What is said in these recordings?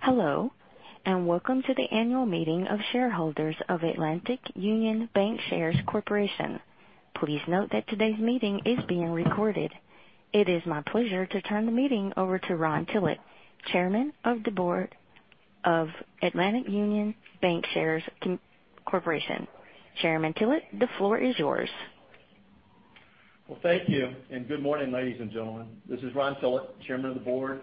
Hello, welcome to the annual meeting of shareholders of Atlantic Union Bankshares Corporation. Please note that today's meeting is being recorded. It is my pleasure to turn the meeting over to Ron Tillett, Chairman of the Board of Atlantic Union Bankshares Corporation. Chairman Tillett, the floor is yours. Well, thank you, and good morning, ladies and gentlemen. This is Ron Tillett, Chairman of the Board of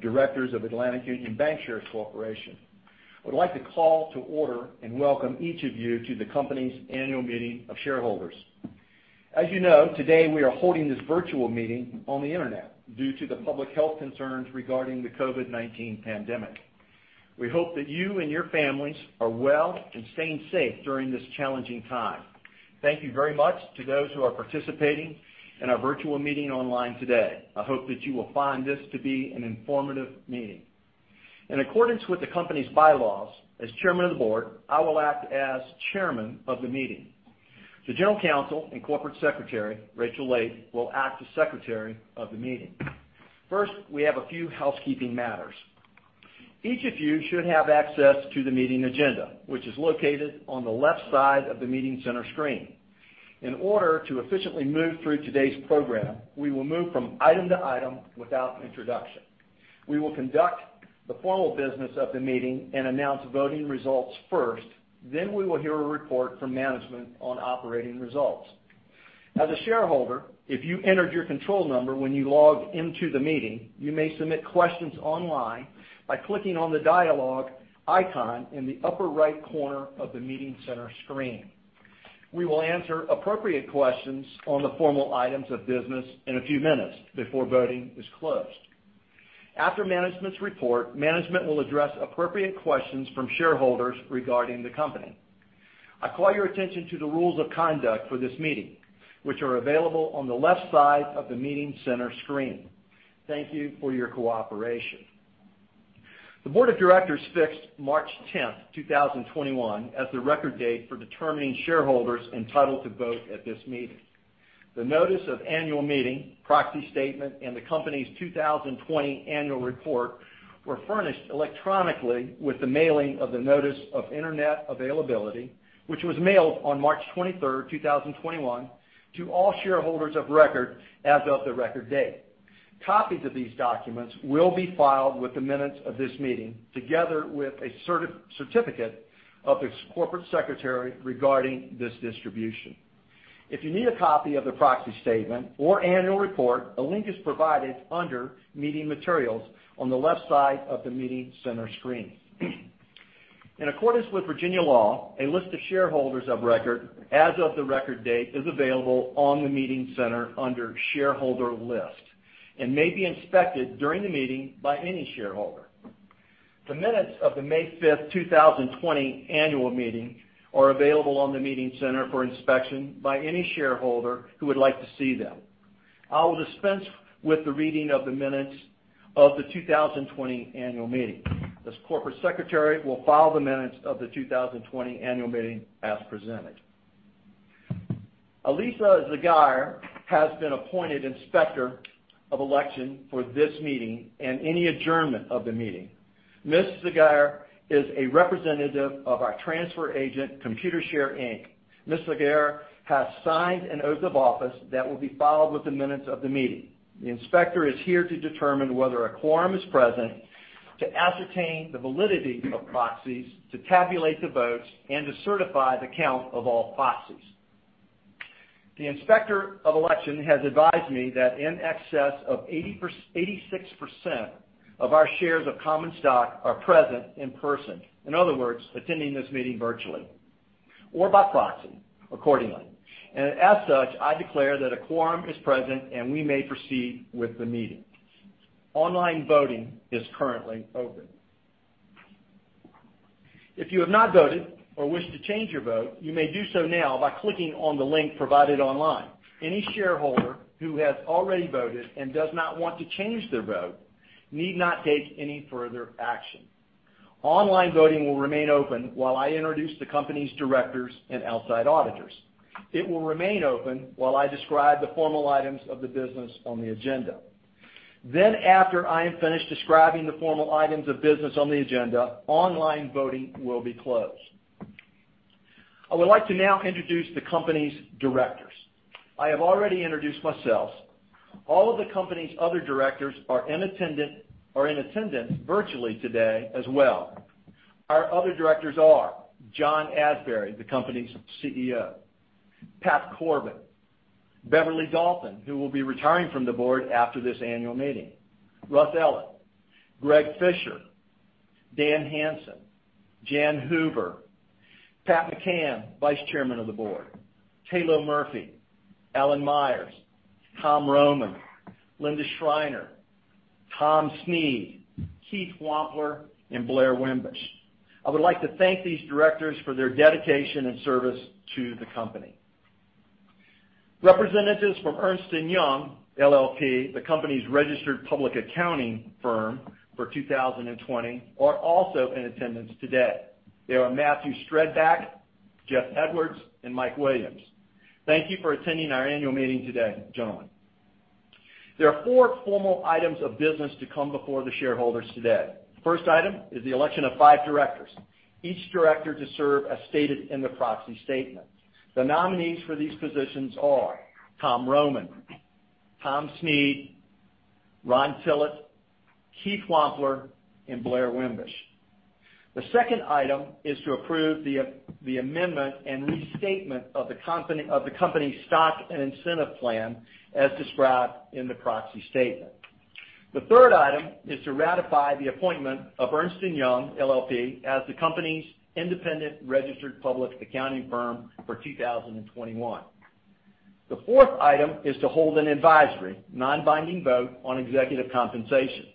Directors of Atlantic Union Bankshares Corporation. I would like to call to order and welcome each of you to the company's annual meeting of shareholders. As you know, today we are holding this virtual meeting on the Internet due to the public health concerns regarding the COVID-19 pandemic. We hope that you and your families are well and staying safe during this challenging time. Thank you very much to those who are participating in our virtual meeting online today. I hope that you will find this to be an informative meeting. In accordance with the company's bylaws, as chairman of the board, I will act as chairman of the meeting. The General Counsel and Corporate Secretary, Rachael Lape, will act as secretary of the meeting. 1st, we have a few housekeeping matters. Each of you should have access to the meeting agenda, which is located on the left side of the meeting center screen. In order to efficiently move through today's program, we will move from item to item without introduction. We will conduct the formal business of the meeting and announce voting results 1st, we will hear a report from management on operating results. As a shareholder, if you entered your control number when you logged into the meeting, you may submit questions online by clicking on the dialogue icon in the upper right corner of the meeting center screen. We will answer appropriate questions on the formal items of business in a few minutes before voting is closed. After management's report, management will address appropriate questions from shareholders regarding the company. I call your attention to the rules of conduct for this meeting, which are available on the left side of the meeting center screen. Thank you for your cooperation. The board of directors fixed March 10th, 2021, as the record date for determining shareholders entitled to vote at this meeting. The notice of annual meeting, proxy statement, and the company's 2020 annual report were furnished electronically with the mailing of the notice of Internet availability, which was mailed on March 23rd, 2021, to all shareholders of record as of the record date. Copies of these documents will be filed with the minutes of this meeting, together with a certificate of its Corporate Secretary regarding this distribution. If you need a copy of the proxy statement or annual report, a link is provided under Meeting Materials on the left side of the meeting center screen. In accordance with Virginia law, a list of shareholders of record as of the record date is available on the meeting center under Shareholder List and may be inspected during the meeting by any shareholder. The minutes of the May 5th, 2020, annual meeting are available on the meeting center for inspection by any shareholder who would like to see them. I will dispense with the reading of the minutes of the 2020 annual meeting. The Corporate Secretary will file the minutes of the 2020 annual meeting as presented. Alisa Zegarra has been appointed Inspector of Election for this meeting and any adjournment of the meeting. Ms. Zegarra is a representative of our transfer agent, Computershare, Inc. Ms. Zegarra has signed an oath of office that will be filed with the minutes of the meeting. The inspector is here to determine whether a quorum is present, to ascertain the validity of proxies, to tabulate the votes, and to certify the count of all proxies. The Inspector of Election has advised me that in excess of 86% of our shares of common stock are present in person, in other words, attending this meeting virtually or by proxy, accordingly. As such, I declare that a quorum is present, and we may proceed with the meeting. Online voting is currently open. If you have not voted or wish to change your vote, you may do so now by clicking on the link provided online. Any shareholder who has already voted and does not want to change their vote need not take any further action. Online voting will remain open while I introduce the company's directors and outside auditors. It will remain open while I describe the formal items of the business on the agenda. Then after I am finished describing the formal items of business on the agenda, online voting will be closed. I would like to now introduce the company's directors. I have already introduced myself. All of the company's other directors are in attendance virtually today as well. Our other directors are John Asbury, the company's CEO, Pat Corbin, Beverley Dalton, who will be retiring from the board after this annual meeting, Russ Ellett, Greg Fisher, Dan Hansen, Jan Hoover, Pat McCann, Vice Chairman of the board, Tayloe Murphy, Alan Myers, Tom Rohman, Linda Schreiner, Tom Snead, Keith Wampler, and Blair Wimbush. I would like to thank these directors for their dedication and service to the company. Representatives from Ernst & Young, LLP, the company's registered public accounting firm for 2020, are also in attendance today. They are Matthew Strebback, Jeff Edwards, and Mike Williams. Thank you for attending our annual meeting today, gentlemen. There are four formal items of business to come before the shareholders today. The 1st item is the election of five directors, each director to serve as stated in the proxy statement. The nominees for these positions are Tom Rohman, Tom Snead, Ron Tillett, Keith Wampler, and Blair Wimbush. The 2nd item is to approve the amendment and restatement of the company stock and incentive plan as described in the proxy statement. The 3rd item is to ratify the appointment of Ernst & Young LLP as the company's independent registered public accounting firm for 2021. The fourth item is to hold an advisory, non-binding vote on executive compensation.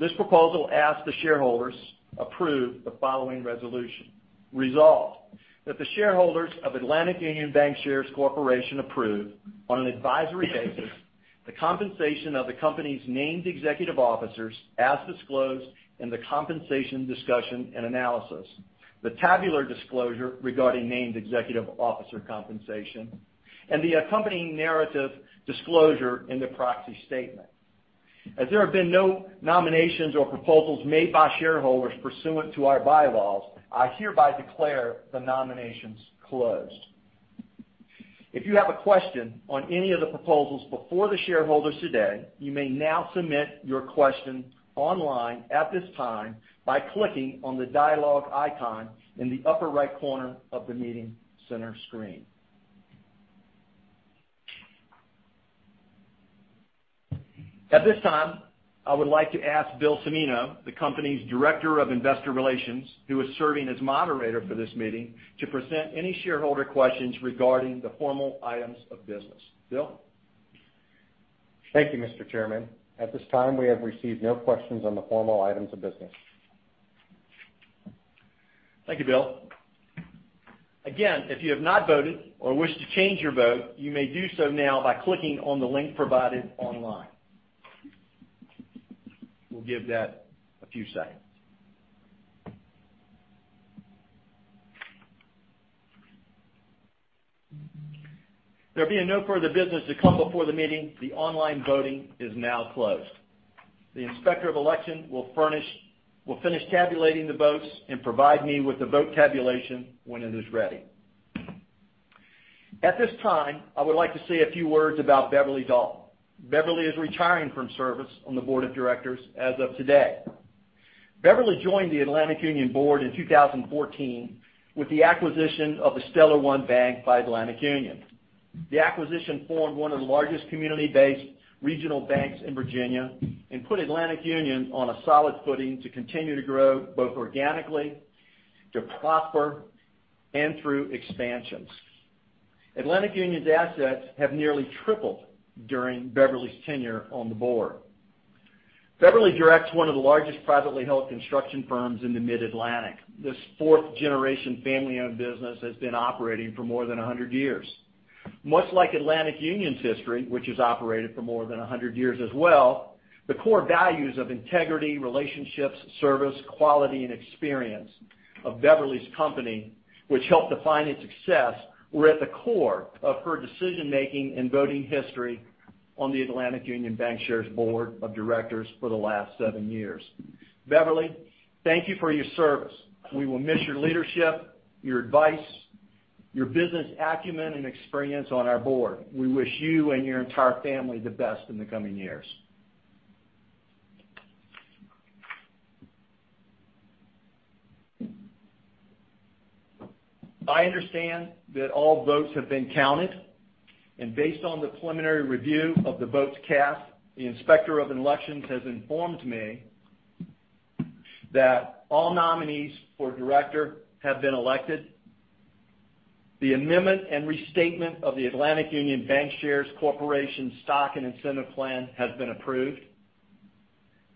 This proposal asks the shareholders approve the following resolution. Resolved, that the shareholders of Atlantic Union Bankshares Corporation approve, on an advisory basis, the compensation of the company's named executive officers as disclosed in the compensation discussion and analysis, the tabular disclosure regarding named executive officer compensation, and the accompanying narrative disclosure in the proxy statement. As there have been no nominations or proposals made by shareholders pursuant to our bylaws, I hereby declare the nominations closed. If you have a question on any of the proposals before the shareholders today, you may now submit your question online at this time by clicking on the dialogue icon in the upper right corner of the meeting center screen. At this time, I would like to ask Bill Cimino, the company's Director of Investor Relations, who is serving as moderator for this meeting, to present any shareholder questions regarding the formal items of business. Bill? Thank you, Mr. Chairman. At this time, we have received no questions on the formal items of business. Thank you, Bill. Again, if you have not voted or wish to change your vote, you may do so now by clicking on the link provided online. We'll give that a few seconds. There being no further business to come before the meeting, the online voting is now closed. The Inspector of Election will finish tabulating the votes and provide me with the vote tabulation when it is ready. At this time, I would like to say a few words about Beverley Dahl. Beverley is retiring from service on the board of directors as of today. Beverly joined the Atlantic Union board in 2014 with the acquisition of StellarOne Bank by Atlantic Union. The acquisition formed one of the largest community-based regional banks in Virginia and put Atlantic Union on a solid footing to continue to grow both organically, to prosper, and through expansions. Atlantic Union's assets have nearly tripled during Beverley's tenure on the board. Beverley directs one of the largest privately held construction firms in the Mid-Atlantic. This fourth-generation family-owned business has been operating for more than 100 years. Much like Atlantic Union's history, which has operated for more than 100 years as well, the core values of integrity, relationships, service, quality, and experience of Beverley's company, which helped define its success, were at the core of her decision-making and voting history on the Atlantic Union Bankshares board of directors for the last seven years. Beverley, thank you for your service. We will miss your leadership, your advice, your business acumen, and experience on our board. We wish you and your entire family the best in the coming years. I understand that all votes have been counted, and based on the preliminary review of the votes cast, the Inspector of Elections has informed me that all nominees for director have been elected. The amendment and restatement of the Atlantic Union Bankshares Corporation stock and incentive plan has been approved.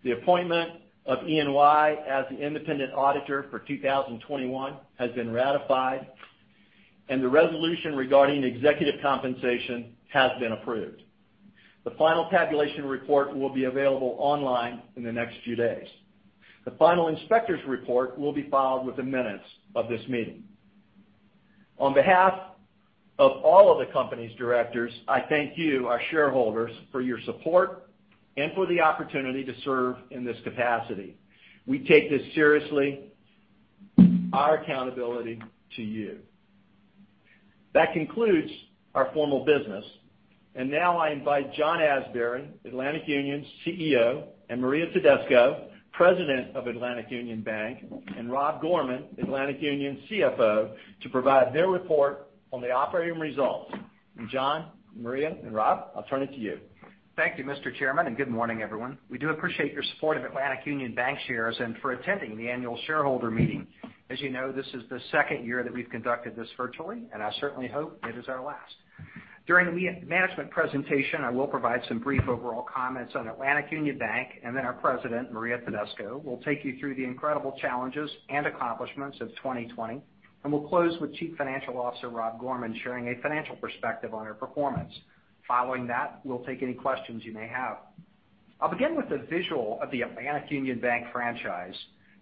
The appointment of E&Y as the independent auditor for 2021 has been ratified, and the resolution regarding executive compensation has been approved. The final tabulation report will be available online in the next few days. The final inspector's report will be filed with the minutes of this meeting. On behalf of all of the company's directors, I thank you, our shareholders, for your support and for the opportunity to serve in this capacity. We take this seriously, our accountability to you. That concludes our formal business, Now I invite John Asbury, Atlantic Union's CEO, and Maria Tedesco, President of Atlantic Union Bank, and Rob Gorman, Atlantic Union CFO, to provide their report on the operating results. John, Maria, and Rob, I'll turn it to you. Thank you, Mr. Chairman, and good morning, everyone. We do appreciate your support of Atlantic Union Bankshares and for attending the annual shareholder meeting. As you know, this is the 2nd year that we've conducted this virtually, and I certainly hope it is our last. During the management presentation, I will provide some brief overall comments on Atlantic Union Bank, and then our President, Maria Tedesco, will take you through the incredible challenges and accomplishments of 2020, and we'll close with Chief Financial Officer Rob Gorman sharing a financial perspective on our performance. Following that, we'll take any questions you may have. I'll begin with the visual of the Atlantic Union Bank franchise.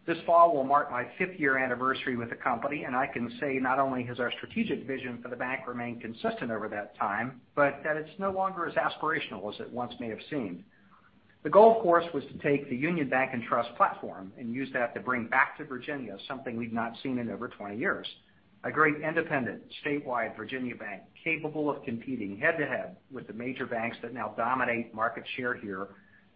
This fall will mark my fifth-year anniversary with the company, and I can say not only has our strategic vision for the bank remained consistent over that time, but that it's no longer as aspirational as it once may have seemed. The goal, of course, was to take the Union Bank & Trust platform and use that to bring back to Virginia something we've not seen in over 20 years, a great independent, statewide Virginia bank capable of competing head-to-head with the major banks that now dominate market share here,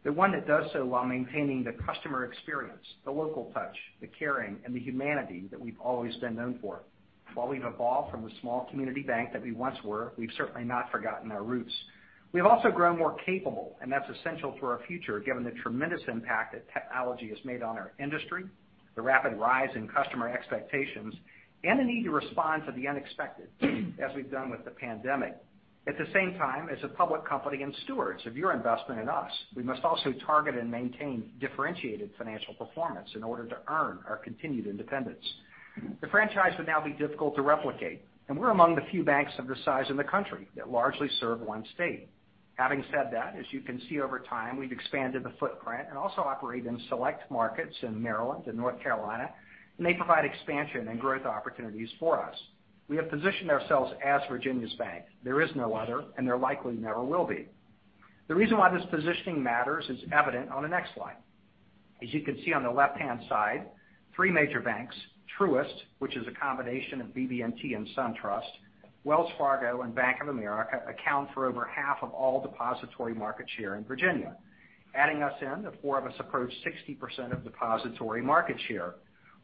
but one that does so while maintaining the customer experience, the local touch, the caring, and the humanity that we've always been known for. While we've evolved from the small community bank that we once were, we've certainly not forgotten our roots. We've also grown more capable. That's essential to our future, given the tremendous impact that technology has made on our industry, the rapid rise in customer expectations, and the need to respond to the unexpected, as we've done with the pandemic. At the same time, as a public company and stewards of your investment in us, we must also target and maintain differentiated financial performance in order to earn our continued independence. The franchise would now be difficult to replicate. We're among the few banks of this size in the country that largely serve one state. Having said that, as you can see over time, we've expanded the footprint and also operate in select markets in Maryland and North Carolina. They provide expansion and growth opportunities for us. We have positioned ourselves as Virginia's bank. There is no other. There likely never will be. The reason why this positioning matters is evident on the next slide. As you can see on the left-hand side, three major banks, Truist, which is a combination of BB&T and SunTrust, Wells Fargo, and Bank of America, account for over half of all depository market share in Virginia. Adding us in, the four of us approach 60% of depository market share.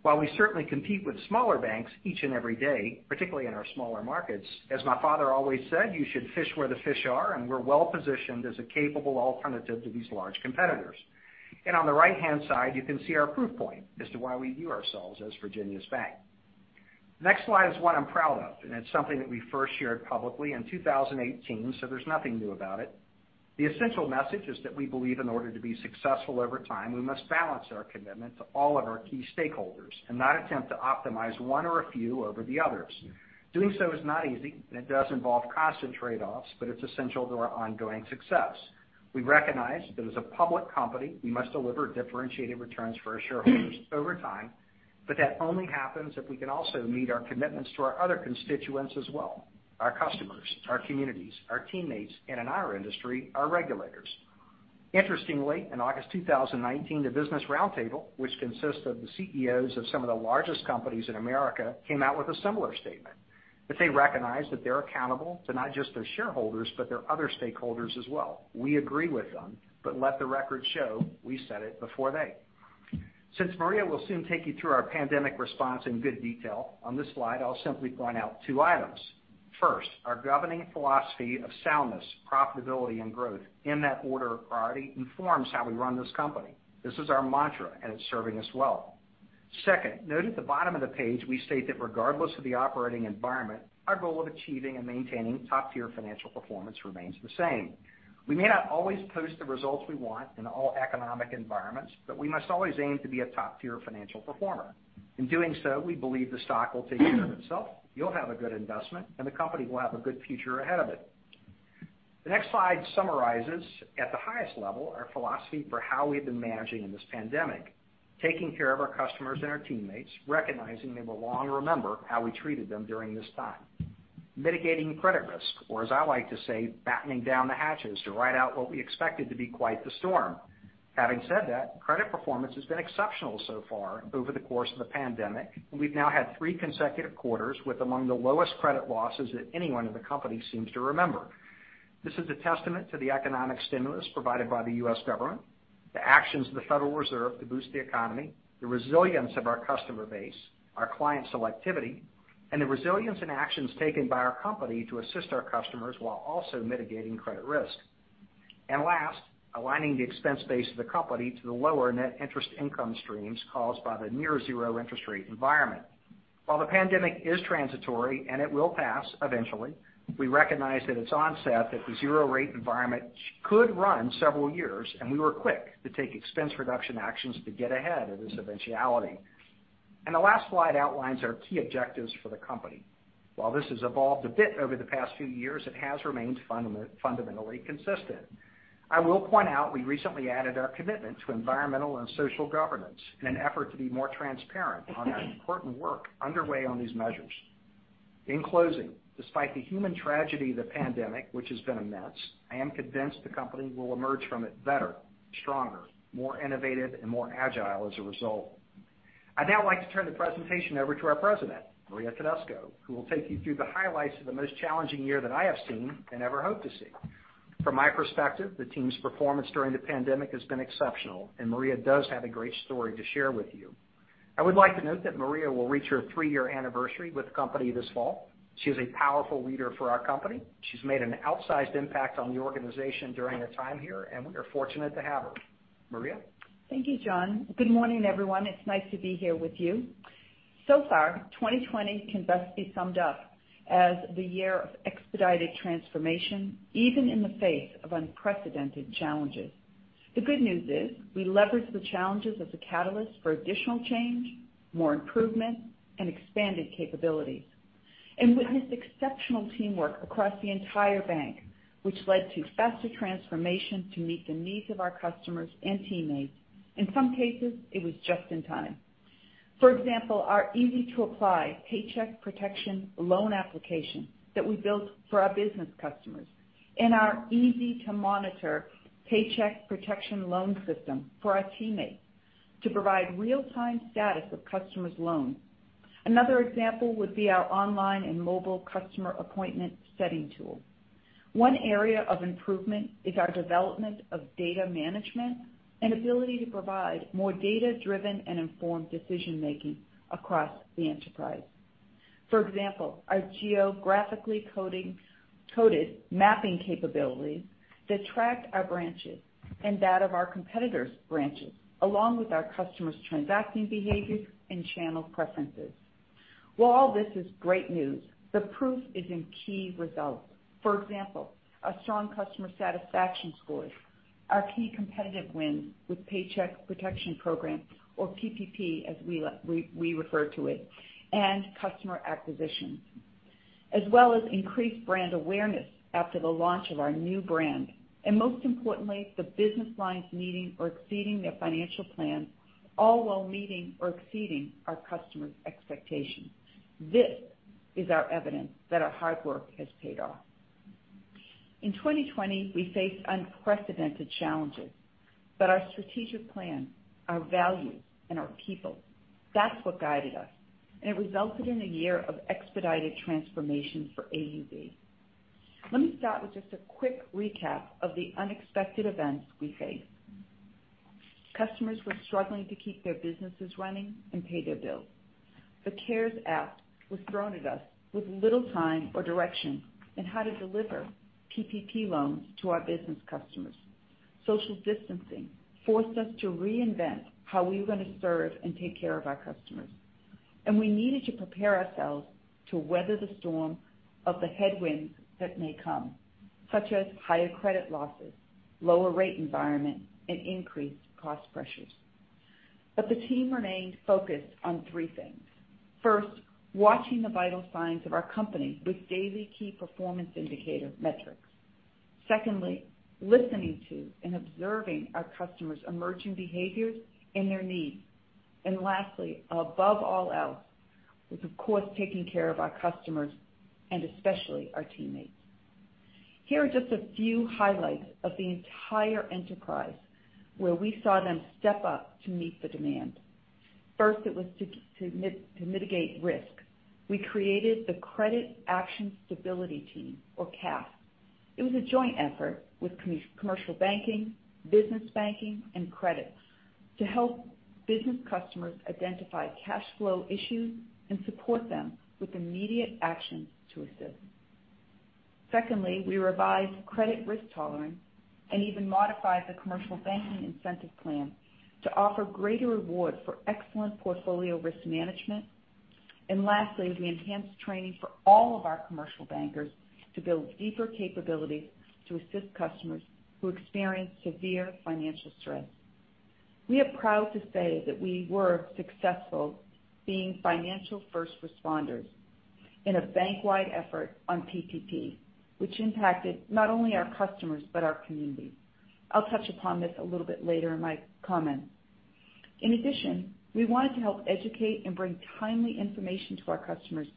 While we certainly compete with smaller banks each and every day, particularly in our smaller markets, as my father always said, "You should fish where the fish are," and we're well-positioned as a capable alternative to these large competitors. On the right-hand side, you can see our proof point as to why we view ourselves as Virginia's bank. The next slide is one I'm proud of, and it's something that we 1st shared publicly in 2018, so there's nothing new about it. The essential message is that we believe in order to be successful over time, we must balance our commitment to all of our key stakeholders and not attempt to optimize one or a few over the others. Doing so is not easy, and it does involve constant trade-offs, but it's essential to our ongoing success. We recognize that as a public company, we must deliver differentiated returns for our shareholders over time, but that only happens if we can also meet our commitments to our other constituents as well, our customers, our communities, our teammates, and in our industry, our regulators. Interestingly, in August 2019, the Business Roundtable, which consists of the CEOs of some of the largest companies in America, came out with a similar statement, that they recognize that they're accountable to not just their shareholders, but their other stakeholders as well. We agree with them, but let the record show, we said it before they. Since Maria will soon take you through our pandemic response in good detail, on this slide, I'll simply point out two items. 1st, our governing philosophy of soundness, profitability, and growth in that order of priority informs how we run this company. This is our mantra, and it's serving us well. 2nd, note at the bottom of the page, we state that regardless of the operating environment, our goal of achieving and maintaining top-tier financial performance remains the same. We may not always post the results we want in all economic environments, but we must always aim to be a top-tier financial performer. In doing so, we believe the stock will take care of itself, you'll have a good investment, and the company will have a good future ahead of it. The next slide summarizes, at the highest level, our philosophy for how we've been managing in this pandemic, taking care of our customers and our teammates, recognizing they will long remember how we treated them during this time. Mitigating credit risk, or as I like to say, battening down the hatches to ride out what we expected to be quite the storm. Having said that, credit performance has been exceptional so far over the course of the pandemic. We've now had three consecutive quarters with among the lowest credit losses that anyone in the company seems to remember. This is a testament to the economic stimulus provided by the U.S. government, the actions of the Federal Reserve to boost the economy, the resilience of our customer base, our client selectivity, and the resilience and actions taken by our company to assist our customers while also mitigating credit risk. Last, aligning the expense base of the company to the lower net interest income streams caused by the near zero interest rate environment. While the pandemic is transitory and it will pass eventually, we recognize at its onset that the zero rate environment could run several years, and we were quick to take expense reduction actions to get ahead of this eventuality. The last slide outlines our key objectives for the company. While this has evolved a bit over the past few years, it has remained fundamentally consistent. I will point out we recently added our commitment to environmental and social governance in an effort to be more transparent on our important work underway on these measures. In closing, despite the human tragedy of the pandemic, which has been immense, I am convinced the company will emerge from it better, stronger, more innovative, and more agile as a result. I'd now like to turn the presentation over to our President, Maria Tedesco, who will take you through the highlights of the most challenging year that I have seen and ever hope to see. From my perspective, the team's performance during the pandemic has been exceptional, and Maria does have a great story to share with you. I would like to note that Maria will reach her three-year anniversary with the company this fall. She is a powerful leader for our company. She's made an outsized impact on the organization during her time here, and we are fortunate to have her. Maria? Thank you, John. Good morning, everyone. It's nice to be here with you. So far, 2020 can best be summed up as the year of expedited transformation, even in the face of unprecedented challenges. The good news is we leveraged the challenges as a catalyst for additional change, more improvement, and expanded capabilities. Witnessed exceptional teamwork across the entire Bank, which led to faster transformation to meet the needs of our customers and teammates. In some cases, it was just in time. For example, our easy-to-apply Paycheck Protection loan application that we built for our business customers, and our easy-to-monitor Paycheck Protection loan system for our teammates to provide real-time status of customers' loans. Another example would be our online and mobile customer appointment setting tool. One area of improvement is our development of data management and ability to provide more data-driven and informed decision-making across the enterprise. For example, our geographically coded mapping capabilities that track our branches and that of our competitors' branches, along with our customers' transacting behaviors and channel preferences. While all this is great news, the proof is in key results. For example, our strong customer satisfaction scores, our key competitive wins with Paycheck Protection Program, or PPP as we refer to it, and customer acquisition. Increased brand awareness after the launch of our new brand. Most importantly, the business lines meeting or exceeding their financial plans, all while meeting or exceeding our customers' expectations. This is our evidence that our hard work has paid off. In 2020, we faced unprecedented challenges, but our strategic plan, our values, and our people, that's what guided us, and it resulted in a year of expedited transformation for AUB. Let me start with just a quick recap of the unexpected events we faced. Customers were struggling to keep their businesses running and pay their bills. The CARES Act was thrown at us with little time or direction in how to deliver PPP loans to our business customers. Social distancing forced us to reinvent how we were going to serve and take care of our customers. We needed to prepare ourselves to weather the storm of the headwinds that may come, such as higher credit losses, lower rate environment, and increased cost pressures. The team remained focused on three things. 1st, watching the vital signs of our company with daily key performance indicator metrics. Secondly, listening to and observing our customers' emerging behaviors and their needs. Lastly, above all else, was of course, taking care of our customers and especially our teammates. Here are just a few highlights of the entire enterprise where we saw them step up to meet the demand. 1st, it was to mitigate risk. We created the Credit Action Stability Team, or CAST. It was a joint effort with commercial banking, business banking, and credit to help business customers identify cash flow issues and support them with immediate actions to assist. Secondly, we revised credit risk tolerance and even modified the commercial banking incentive plan to offer greater reward for excellent portfolio risk management. Lastly, we enhanced training for all of our commercial bankers to build deeper capabilities to assist customers who experience severe financial stress. We are proud to say that we were successful being financial 1st responders in a bank-wide effort on PPP, which impacted not only our customers, but our community. I'll touch upon this a little bit later in my comment. In addition, we wanted to help educate and bring timely information to our customers,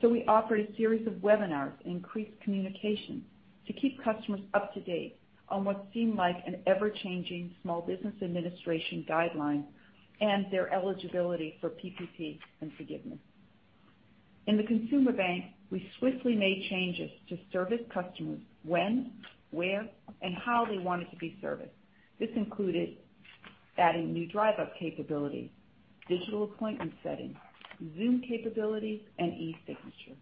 so we offered a series of webinars and increased communication to keep customers up to date on what seemed like an ever-changing Small Business Administration guideline and their eligibility for PPP and forgiveness. In the consumer bank, we swiftly made changes to service customers when, where, and how they wanted to be serviced. This included adding new drive-up capabilities, digital appointment settings, Zoom capabilities, and e-signature.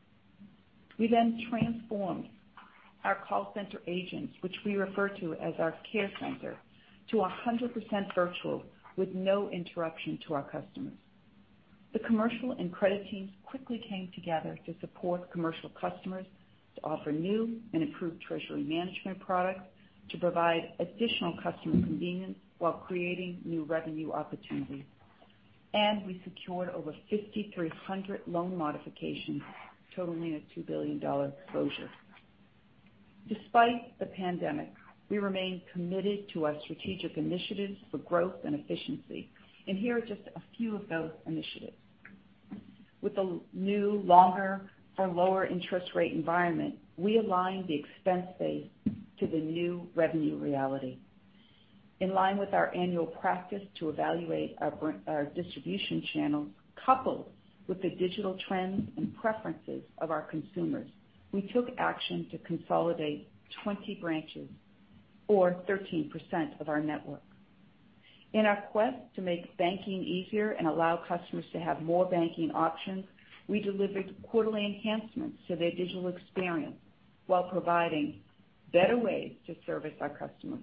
We transformed our call center agents, which we refer to as our care center, to 100% virtual with no interruption to our customers. The commercial and credit teams quickly came together to support commercial customers to offer new and improved treasury management products to provide additional customer convenience while creating new revenue opportunities. We secured over 5,300 loan modifications totaling a $2 billion exposure. Despite the pandemic, we remain committed to our strategic initiatives for growth and efficiency. Here are just a few of those initiatives. With the new longer or lower interest rate environment, we aligned the expense base to the new revenue reality. In line with our annual practice to evaluate our distribution channels, coupled with the digital trends and preferences of our consumers, we took action to consolidate 20 branches or 13% of our network. In our quest to make banking easier and allow customers to have more banking options, we delivered quarterly enhancements to their digital experience while providing better ways to service our customers.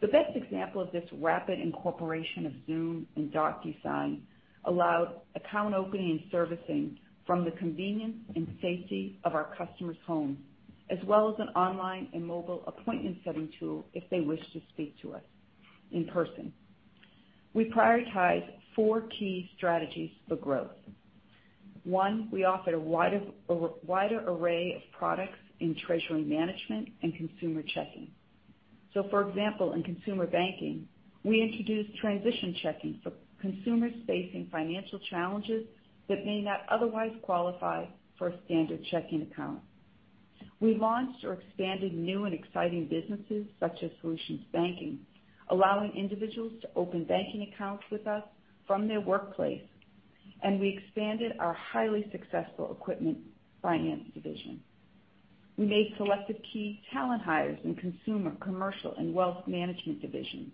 The best example of this rapid incorporation of Zoom and DocuSign allowed account opening and servicing from the convenience and safety of our customers' home, as well as an online and mobile appointment setting tool if they wish to speak to us in person. We prioritize four key strategies for growth. One, we offer a wider array of products in treasury management and consumer checking. For example, in consumer banking, we introduced transition checking for consumers facing financial challenges that may not otherwise qualify for a standard checking account. We launched or expanded new and exciting businesses such as solutions banking, allowing individuals to open banking accounts with us from their workplace, and we expanded our highly successful equipment finance division. We made selective key talent hires in consumer, commercial, and wealth management divisions.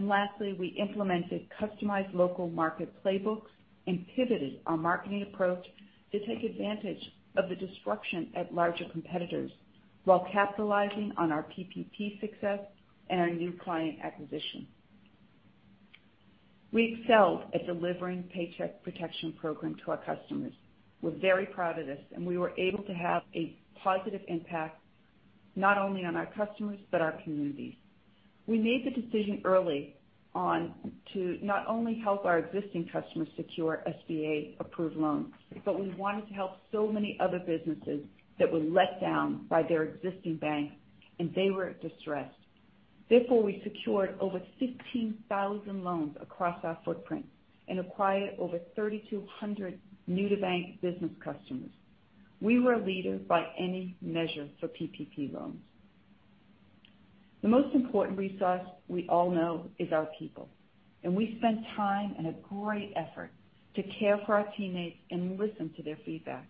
Lastly, we implemented customized local market playbooks and pivoted our marketing approach to take advantage of the disruption at larger competitors while capitalizing on our PPP success and our new client acquisition. We excelled at delivering Paycheck Protection Program to our customers. We're very proud of this, and we were able to have a positive impact not only on our customers but our communities. We made the decision early on to not only help our existing customers secure SBA-approved loans, but we wanted to help so many other businesses that were let down by their existing bank, and they were distressed. Therefore, we secured over 16,000 loans across our footprint and acquired over 3,200 new-to-bank business customers. We were a leader by any measure for PPP loans. The most important resource we all know is our people, and we spent time and a great effort to care for our teammates and listen to their feedback.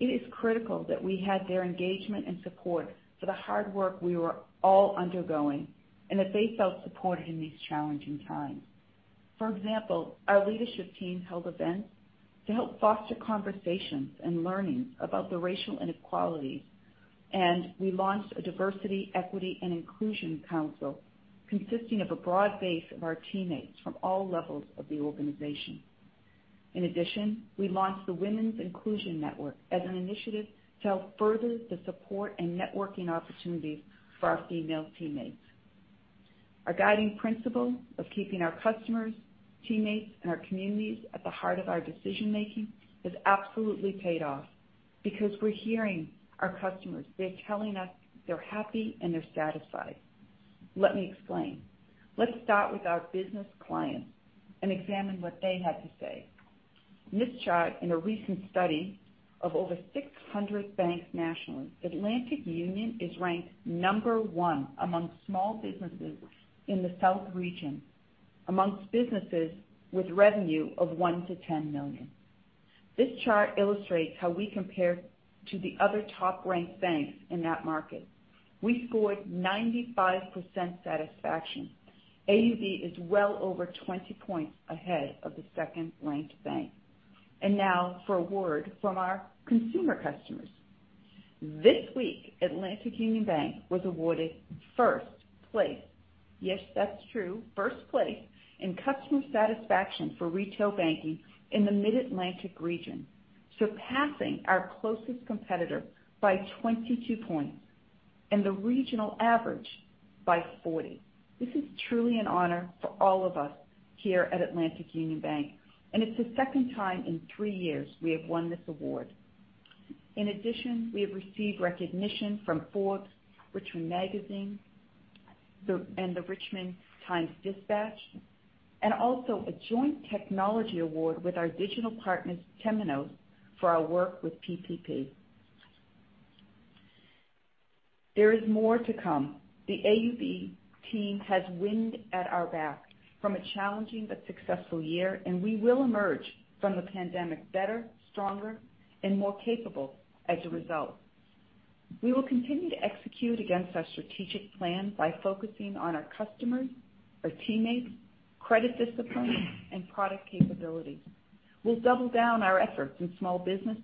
It is critical that we had their engagement and support for the hard work we were all undergoing, and that they felt supported in these challenging times. For example, our leadership team held events to help foster conversations and learning about the racial inequalities, and we launched a Diversity, Equity, and Inclusion Council consisting of a broad base of our teammates from all levels of the organization. In addition, we launched the Women's Inclusion Network as an initiative to help further the support and networking opportunities for our female teammates. Our guiding principle of keeping our customers, teammates, and our communities at the heart of our decision-making has absolutely paid off because we're hearing our customers. They're telling us they're happy and they're satisfied. Let me explain. Let's start with our business clients and examine what they had to say. In this chart, in a recent study of over 600 banks nationally, Atlantic Union Bank is ranked number one among small businesses in the South region amongst businesses with revenue of $1 million-$10 million. This chart illustrates how we compare to the other top-ranked banks in that market. We scored 95% satisfaction. AUB is well over 20 points ahead of the 2nd-ranked bank. Now for a word from our consumer customers. This week, Atlantic Union Bank was awarded 1st place. Yes, that's true, 1st place in customer satisfaction for retail banking in the Mid-Atlantic region, surpassing our closest competitor by 22 points and the regional average by 40. This is truly an honor for all of us here at Atlantic Union Bank, and it's the 2nd time in three years we have won this award. In addition, we have received recognition from Forbes, Richmond Magazine, and the Richmond Times-Dispatch, and also a joint technology award with our digital partners, Temenos, for our work with PPP. There is more to come. The AUB team has wind at our back from a challenging but successful year, and we will emerge from the pandemic better, stronger, and more capable as a result. We will continue to execute against our strategic plan by focusing on our customers, our teammates, credit discipline, and product capabilities. We'll double down our efforts in small business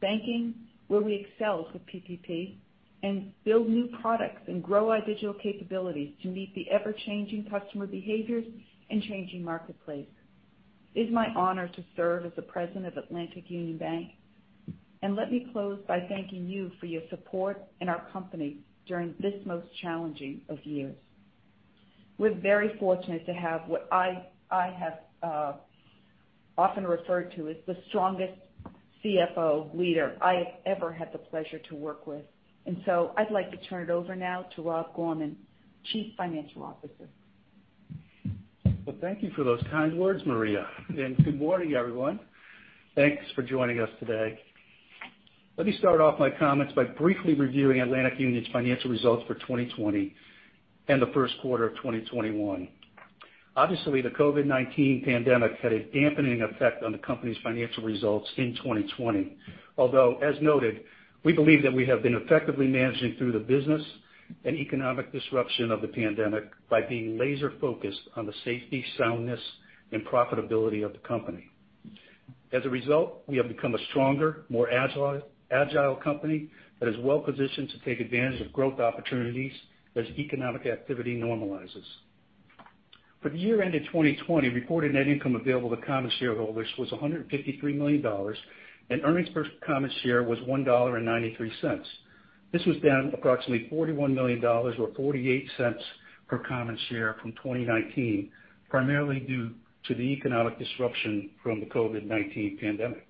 banking, where we excelled with PPP, and build new products and grow our digital capabilities to meet the ever-changing customer behaviors and changing marketplace. It's my honor to serve as the president of Atlantic Union Bank. Let me close by thanking you for your support in our company during this most challenging of years. We're very fortunate to have what I have often referred to as the strongest CFO leader I have ever had the pleasure to work with. I'd like to turn it over now to Rob Gorman, Chief Financial Officer. Well, thank you for those kind words, Maria. Good morning, everyone. Thanks for joining us today. Let me start off my comments by briefly reviewing Atlantic Union's financial results for 2020 and the 1st quarter of 2021. Obviously, the COVID-19 pandemic had a dampening effect on the company's financial results in 2020. As noted, we believe that we have been effectively managing through the business and economic disruption of the pandemic by being laser-focused on the safety, soundness, and profitability of the company. As a result, we have become a stronger, more agile company that is well-positioned to take advantage of growth opportunities as economic activity normalizes. For the year ended 2020, reported net income available to common shareholders was $153 million, and earnings per common share was $1.93. This was down approximately $41 million, or $0.48 per common share from 2019, primarily due to the economic disruption from the COVID-19 pandemic.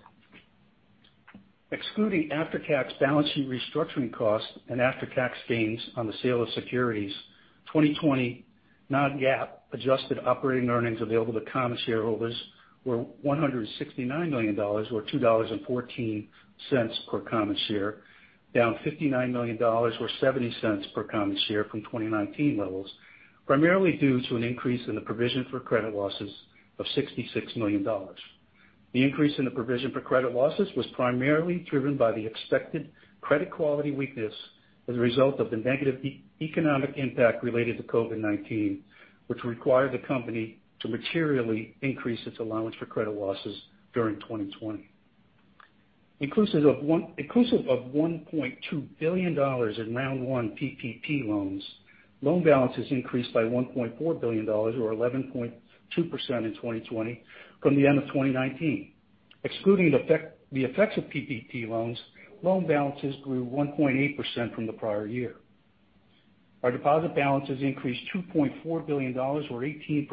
Excluding after-tax balance sheet restructuring costs and after-tax gains on the sale of securities, 2020 non-GAAP adjusted operating earnings available to common shareholders were $169 million, or $2.14 per common share, down $59 million, or $0.70 per common share from 2019 levels, primarily due to an increase in the provision for credit losses of $66 million. The increase in the provision for credit losses was primarily driven by the expected credit quality weakness as a result of the negative economic impact related to COVID-19, which required the company to materially increase its allowance for credit losses during 2020. Inclusive of $1.2 billion in Round One PPP loans, loan balances increased by $1.4 billion, or 11.2% in 2020 from the end of 2019. Excluding the effects of PPP loans, loan balances grew 1.8% from the prior year. Our deposit balances increased $2.4 billion, or 18%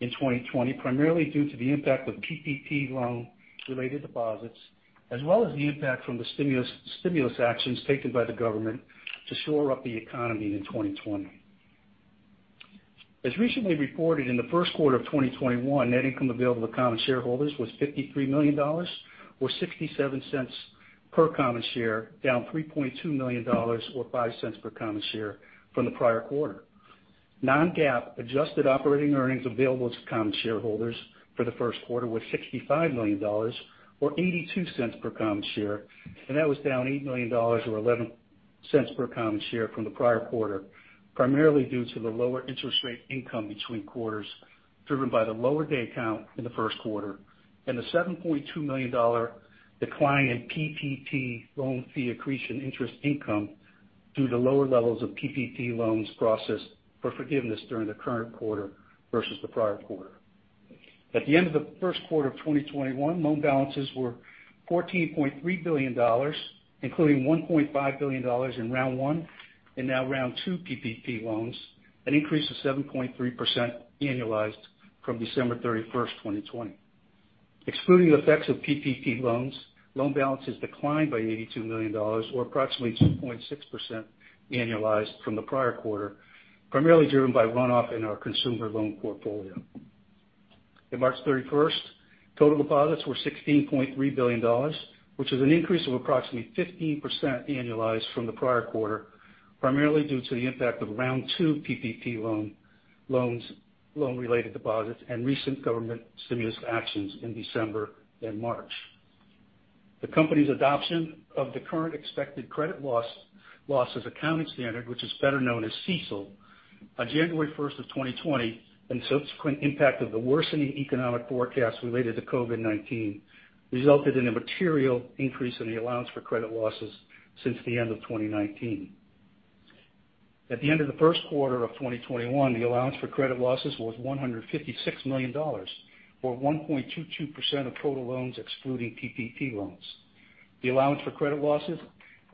in 2020, primarily due to the impact of PPP loan-related deposits, as well as the impact from the stimulus actions taken by the government to shore up the economy in 2020. As recently reported, in the 1st quarter of 2021, net income available to common shareholders was $53 million, or $0.67 per common share, down $3.2 million, or $0.05 per common share from the prior quarter. Non-GAAP adjusted operating earnings available to common shareholders for the 1st quarter was $65 million, or $0.82 per common share. That was down $8 million, or $0.11 per common share from the prior quarter, primarily due to the lower interest rate income between quarters, driven by the lower day count in the 1st quarter and the $7.2 million decline in PPP loan fee accretion interest income due to lower levels of PPP loans processed for forgiveness during the current quarter versus the prior quarter. At the end of the 1st quarter of 2021, loan balances were $14.3 billion, including $1.5 billion in Round 1 and now Round 2 PPP loans, an increase of 7.3% annualized from December 31st, 2020. Excluding the effects of PPP loans, loan balances declined by $82 million, or approximately 2.6% annualized from the prior quarter, primarily driven by runoff in our consumer loan portfolio. At March 31st, total deposits were $16.3 billion, which is an increase of approximately 15% annualized from the prior quarter, primarily due to the impact of Round 2 PPP loan-related deposits and recent government stimulus actions in December and March. The company's adoption of the current expected credit losses accounting standard, which is better known as CECL, on January 1st of 2020, and subsequent impact of the worsening economic forecast related to COVID-19, resulted in a material increase in the allowance for credit losses since the end of 2019. At the end of the 1st quarter of 2021, the allowance for credit losses was $156 million, or 1.22% of total loans excluding PPP loans. The allowance for credit losses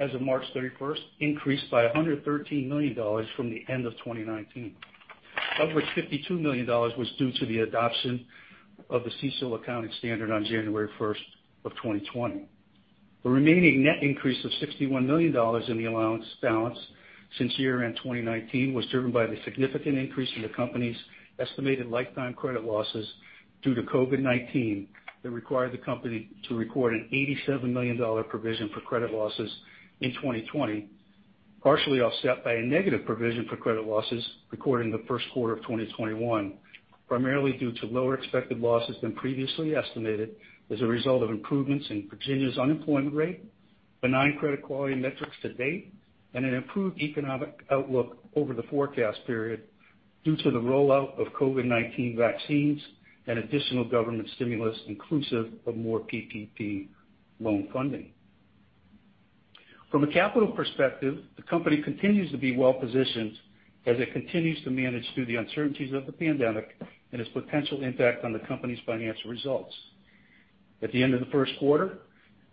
as of March 31st increased by $113 million from the end of 2019. Of which $52 million was due to the adoption of the CECL accounting standard on January 1st of 2020. The remaining net increase of $61 million in the allowance balance since year-end 2019 was driven by the significant increase in the company's estimated lifetime credit losses due to COVID-19 that required the company to record an $87 million provision for credit losses in 2020, partially offset by a negative provision for credit losses recorded in the 1st quarter of 2021, primarily due to lower expected losses than previously estimated as a result of improvements in Virginia's unemployment rate, benign credit quality metrics to date, and an improved economic outlook over the forecast period due to the rollout of COVID-19 vaccines and additional government stimulus inclusive of more PPP loan funding. From a capital perspective, the company continues to be well-positioned as it continues to manage through the uncertainties of the pandemic and its potential impact on the company's financial results. At the end of the 1st quarter,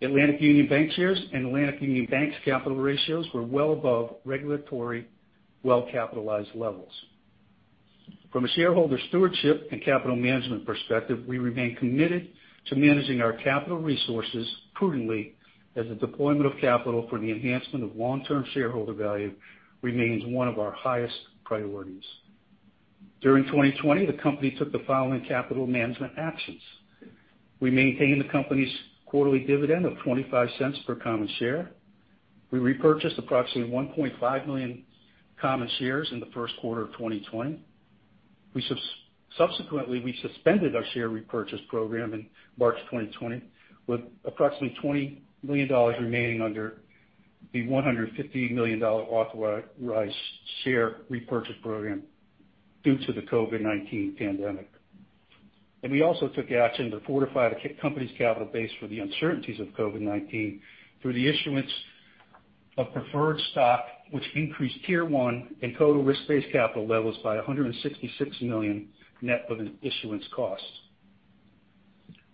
Atlantic Union Bankshares and Atlantic Union Bank's capital ratios were well above regulatory well-capitalized levels. From a shareholder stewardship and capital management perspective, we remain committed to managing our capital resources prudently as the deployment of capital for the enhancement of long-term shareholder value remains one of our highest priorities. During 2020, the company took the following capital management actions. We maintained the company's quarterly dividend of $0.25 per common share. We repurchased approximately 1.5 million common shares in the 1st quarter of 2020. Subsequently, we suspended our share repurchase program in March 2020, with approximately $20 million remaining under the $150 million authorized share repurchase program due to the COVID-19 pandemic. We also took action to fortify the company's capital base for the uncertainties of COVID-19 through the issuance of preferred stock, which increased Tier 1 and total risk-based capital levels by $166 million net of issuance costs.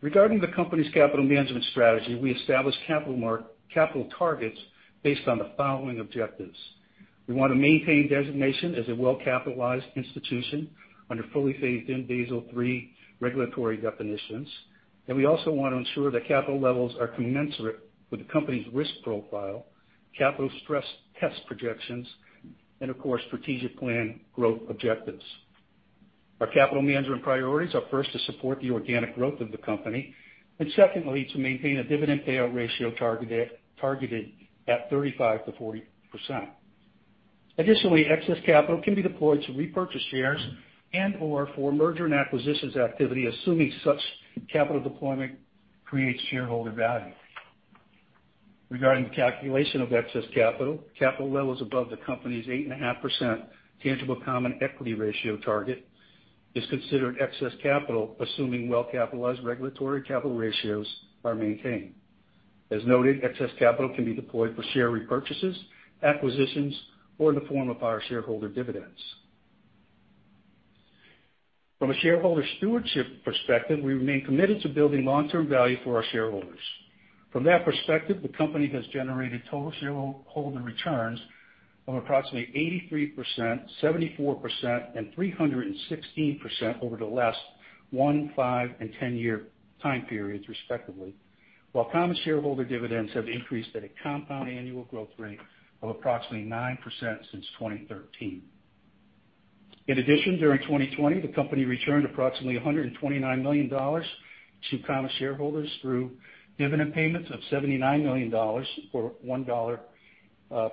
Regarding the company's capital management strategy, we established capital targets based on the following objectives. We want to maintain designation as a well-capitalized institution under fully phased-in Basel III regulatory definitions, and we also want to ensure that capital levels are commensurate with the company's risk profile, capital stress test projections, and of course, strategic plan growth objectives. Our capital management priorities are 1st, to support the organic growth of the company, and secondly, to maintain a dividend payout ratio targeted at 35%-40%. Additionally, excess capital can be deployed to repurchase shares and/or for merger and acquisitions activity, assuming such capital deployment creates shareholder value. Regarding the calculation of excess capital levels above the company's 8.5% tangible common equity ratio target is considered excess capital, assuming well-capitalized regulatory capital ratios are maintained. As noted, excess capital can be deployed for share repurchases, acquisitions, or in the form of our shareholder dividends. From a shareholder stewardship perspective, we remain committed to building long-term value for our shareholders. From that perspective, the company has generated total shareholder returns of approximately 83%, 74%, and 316% over the last one, five, and 10-year time periods respectively, while common shareholder dividends have increased at a compound annual growth rate of approximately 9% since 2013. In addition, during 2020, the company returned approximately $129 million to common shareholders through dividend payments of $79 million, or $1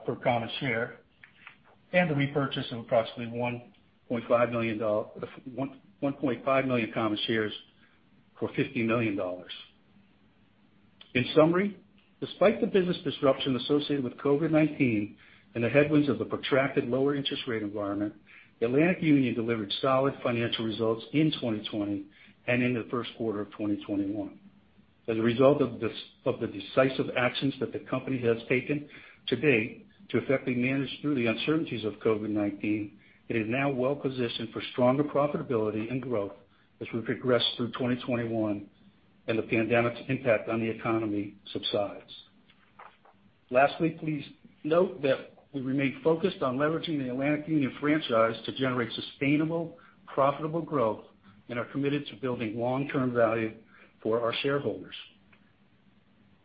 per common share, and the repurchase of approximately 1.5 million common shares for $50 million. In summary, despite the business disruption associated with COVID-19 and the headwinds of the protracted lower interest rate environment, Atlantic Union delivered solid financial results in 2020 and in the 1st quarter of 2021. As a result of the decisive actions that the company has taken to date to effectively manage through the uncertainties of COVID-19, it is now well-positioned for stronger profitability and growth as we progress through 2021 and the pandemic's impact on the economy subsides. Lastly, please note that we remain focused on leveraging the Atlantic Union franchise to generate sustainable, profitable growth and are committed to building long-term value for our shareholders.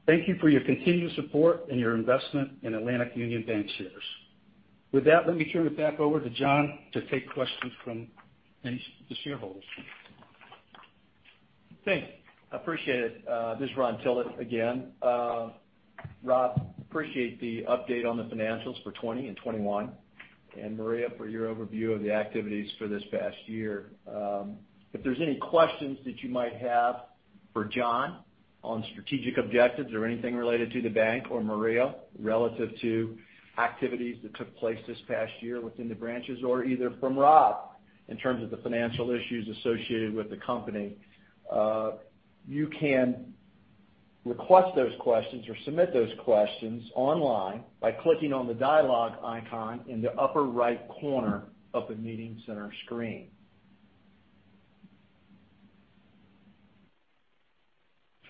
Thank you for your continued support and your investment in Atlantic Union Bankshares. With that, let me turn it back over to John to take questions from any of the shareholders. Thanks. Appreciate it. This is Ron Tillett again. Rob, appreciate the update on the financials for 2020 and 2021, and Maria, for your overview of the activities for this past year. If there's any questions that you might have for John on strategic objectives or anything related to the bank, or Maria, relative to activities that took place this past year within the branches, or either from Rob in terms of the financial issues associated with the company, you can request those questions or submit those questions online by clicking on the dialogue icon in the upper right corner of the meeting center screen.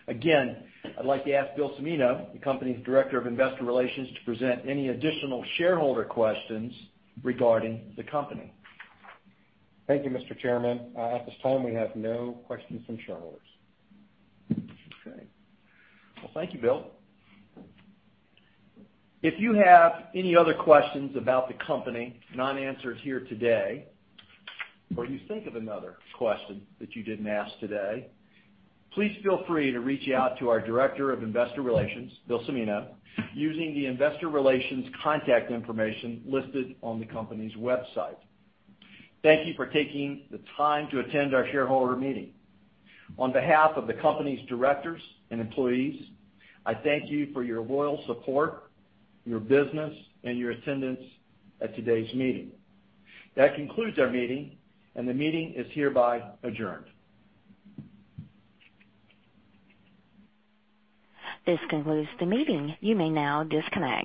I'd like to ask Bill Cimino, the company's Director of Investor Relations, to present any additional shareholder questions regarding the company. Thank you, Mr. Chairman. At this time, we have no questions from shareholders. Okay. Well, thank you, Bill. If you have any other questions about the company not answered here today, or you think of another question that you didn't ask today, please feel free to reach out to our Director of Investor Relations, Bill Cimino, using the Investor Relations contact information listed on the company's website. Thank you for taking the time to attend our shareholder meeting. On behalf of the company's directors and employees, I thank you for your loyal support, your business, and your attendance at today's meeting. That concludes our meeting, and the meeting is hereby adjourned. This concludes the meeting. You may now disconnect.